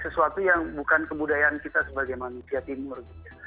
sesuatu yang bukan kebudayaan kita sebagai manusia timur